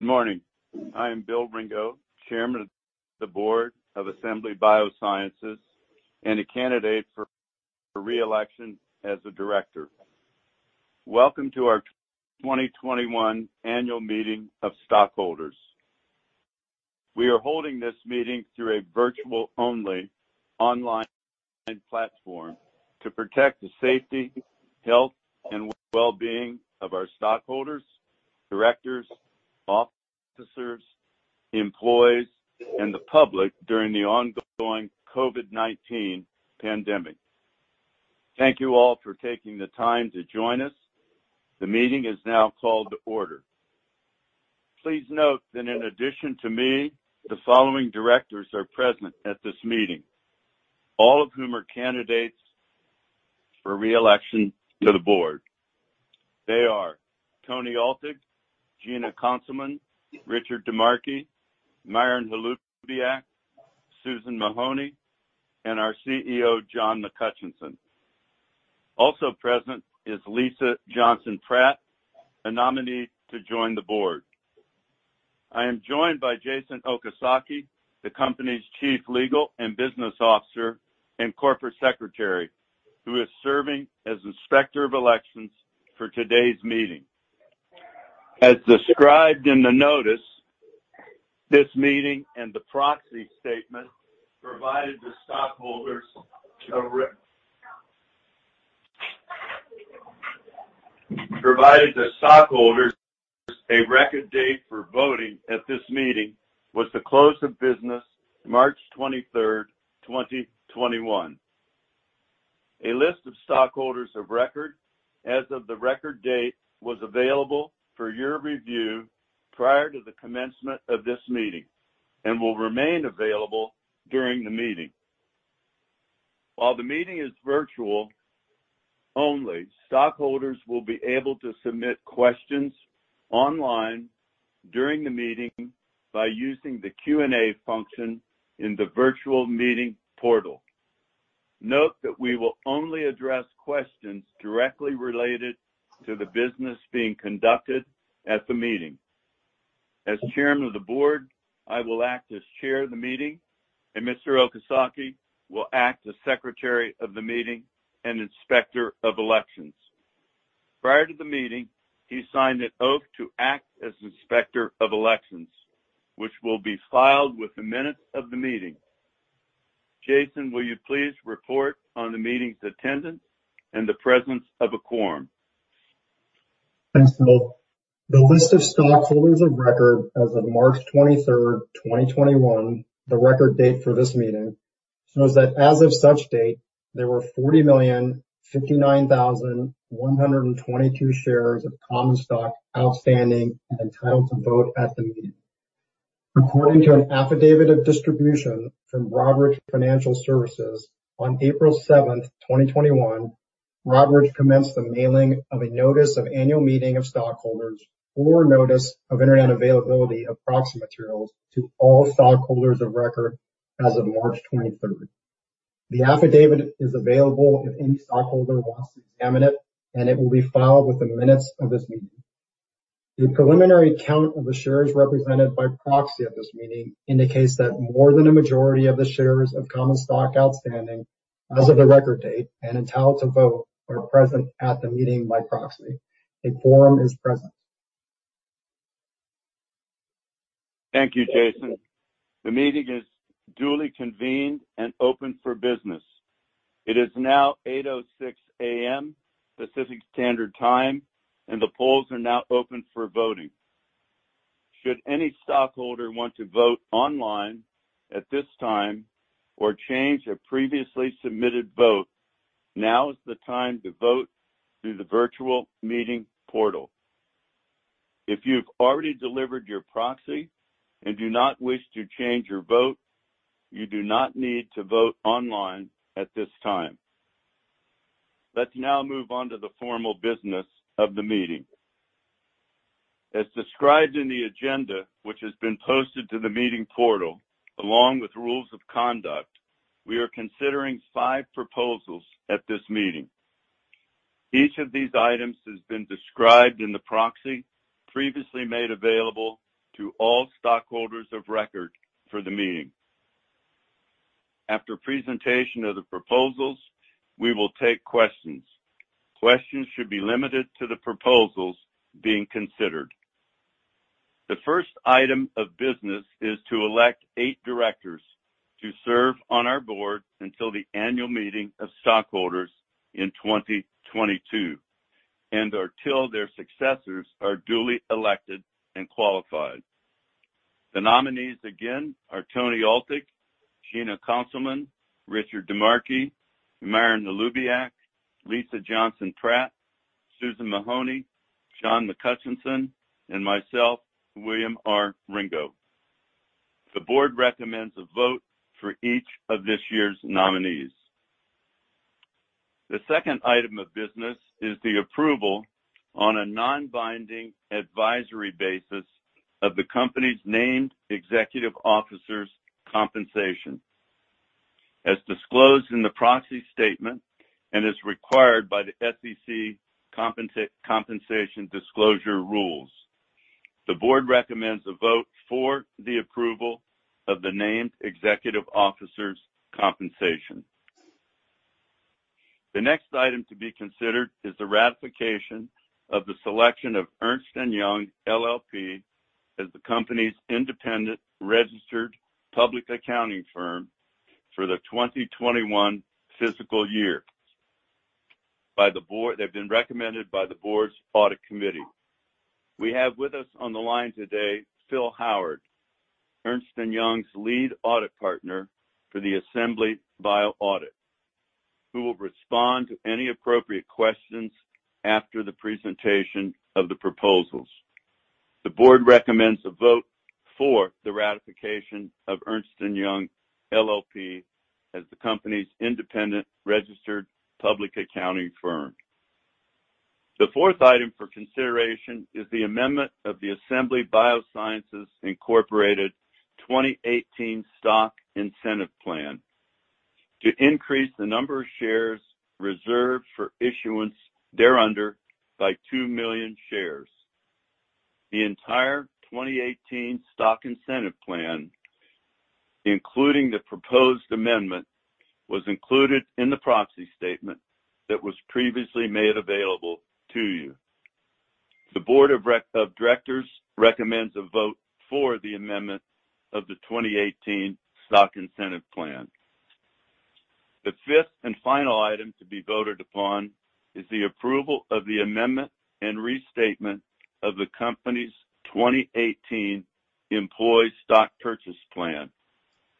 Morning. I am William Ringo, Chairman of the Board of Assembly Biosciences and a candidate for reelection as a Director. Welcome to our 2021 annual meeting of stockholders. We are holding this meeting through a virtual-only online platform to protect the safety, health, and wellbeing of our stockholders, directors, officers, employees, and the public during the ongoing COVID-19 pandemic. Thank you all for taking the time to join us. The meeting is now called to order. Please note that in addition to me, the following directors are present at this meeting, all of whom are candidates for reelection to the Board. They are Tony Altig, Gina Consylman, Richard DiMarchi, Myron Holubiak, Susan Mahony, and our CEO, John McHutchison. Also present is Lisa Johnson-Pratt, a nominee to join the Board. I am joined by Jason Okazaki, the company's Chief Legal and Business Officer and Corporate Secretary, who is serving as Inspector of Elections for today's meeting. As described in the notice, this meeting and the proxy statement provided the stockholders a record date for voting at this meeting was the close of business March 23rd, 2021. A list of stockholders of record as of the record date was available for your review prior to the commencement of this meeting and will remain available during the meeting. While the meeting is virtual only, stockholders will be able to submit questions online during the meeting by using the Q&A function in the virtual meeting portal. Note that we will only address questions directly related to the business being conducted at the meeting. As Chairman of the Board, I will act as Chair of the meeting, and Mr. Okazaki will act as Secretary of the meeting and Inspector of Elections. Prior to the meeting, he signed an oath to act as Inspector of Elections, which will be filed with the minutes of the meeting. Jason, will you please report on the meeting's attendance and the presence of a quorum? Thanks, Bill. The list of stockholders of record as of March 23rd, 2021, the record date for this meeting, shows that as of such date, there were 40,059,122 shares of common stock outstanding and entitled to vote at the meeting. According to an affidavit of distribution from Broadridge Financial Solutions on April 7th, 2021, Robert commenced the mailing of a notice of annual meeting of stockholders or notice of availability of proxy materials to all stockholders of record as of March 23rd. The affidavit is available if any stockholder wants to examine it, and it will be filed with the minutes of this meeting. The preliminary count of the shares represented by proxy at this meeting indicates that more than a majority of the shares of common stock outstanding as of the record date and entitled to vote are present at the meeting by proxy. A quorum is present. Thank you, Jason. The meeting is duly convened and open for business. It is now 8:06 A.M. Pacific Standard Time, and the polls are now open for voting. Should any stockholder want to vote online at this time or change a previously submitted vote, now is the time to vote through the virtual meeting portal. If you've already delivered your proxy and do not wish to change your vote, you do not need to vote online at this time. Let's now move on to the formal business of the meeting. As described in the agenda, which has been posted to the meeting portal along with rules of conduct, we are considering five proposals at this meeting. Each of these items has been described in the proxy previously made available to all stockholders of record for the meeting. After presentation of the proposals, we will take questions. Questions should be limited to the proposals being considered. The first item of business is to elect eight directors to serve on our board until the annual meeting of stockholders in 2022 and until their successors are duly elected and qualified. The nominees again are Tony Altig, Gina Consylman, Richard DiMarchi, Myron Holubiak, Lisa Johnson-Pratt, Susan Mahony, John McHutchison, and myself, William R. Ringo. The board recommends a vote for each of this year's nominees. The second item of business is the approval on a non-binding advisory basis of the company's named executive officers' compensation. As disclosed in the proxy statement, and as required by the SEC compensation disclosure rules, the Board recommends a vote for the approval of the named executive officers' compensation. The next item to be considered is the ratification of the selection of Ernst & Young LLP as the company's independent registered public accounting firm for the 2021 fiscal year. They've been recommended by the Board's Audit Committee. We have with us on the line today, Phil Howard, Ernst & Young's lead audit partner for the Assembly Bio audit, who will respond to any appropriate questions after the presentation of the proposals. The Board recommends a vote for the ratification of Ernst & Young LLP as the company's independent registered public accounting firm. The fourth item for consideration is the amendment of the Assembly Biosciences, Inc. 2018 Stock Incentive Plan to increase the number of shares reserved for issuance thereunder by two million shares. The entire 2018 Stock Incentive Plan, including the proposed amendment, was included in the proxy statement that was previously made available to you. The Board of Directors recommends a vote for the amendment of the 2018 Stock Incentive Plan. The fifth and final item to be voted upon is the approval of the amendment and restatement of the company's 2018 Employee Stock Purchase Plan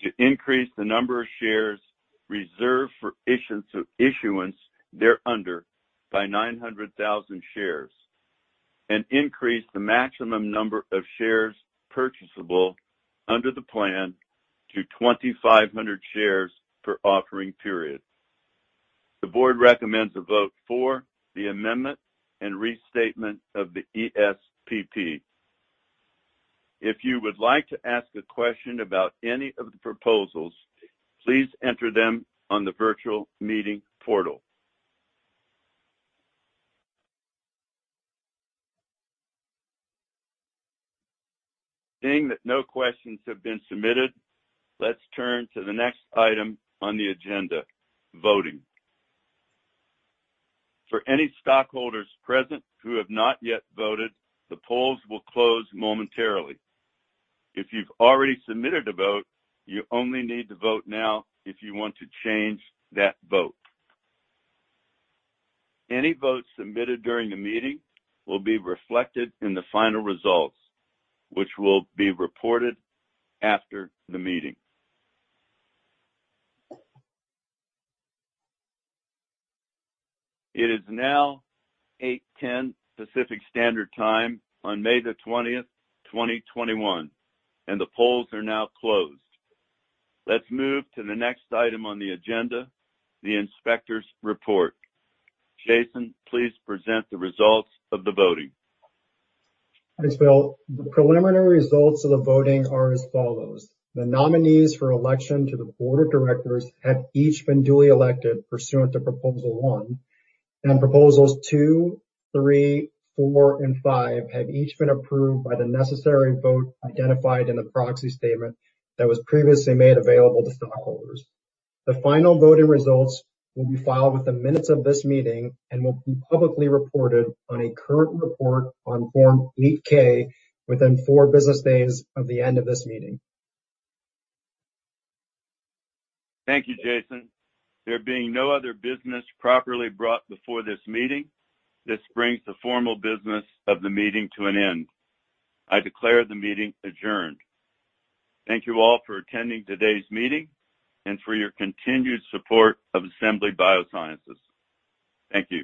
to increase the number of shares reserved for issuance thereunder by 900,000 shares and increase the maximum number of shares purchasable under the plan to 2,500 shares per offering period. The board recommends a vote for the amendment and restatement of the ESPP. If you would like to ask a question about any of the proposals, please enter them on the virtual meeting portal. Seeing that no questions have been submitted, let's turn to the next item on the agenda, voting. For any stockholders present who have not yet voted, the polls will close momentarily. If you've already submitted a vote, you only need to vote now if you want to change that vote. Any votes submitted during the meeting will be reflected in the final results, which will be reported after the meeting. It is now 8:10 A.M. Pacific Standard Time on May 20th, 2021, and the polls are now closed. Let's move to the next item on the agenda, the inspector's report. Jason, please present the results of the voting. Thanks, Bill. The preliminary results of the voting are as follows. The nominees for election to the board of directors have each been duly elected pursuant to proposal one, and proposals two, three, four, and five have each been approved by the necessary vote identified in the proxy statement that was previously made available to stockholders. The final voting results will be filed with the minutes of this meeting and will be publicly reported on a current report on Form 8-K within four business days of the end of this meeting. Thank you, Jason. There being no other business properly brought before this meeting, this brings the formal business of the meeting to an end. I declare the meeting adjourned. Thank you all for attending today's meeting and for your continued support of Assembly Biosciences. Thank you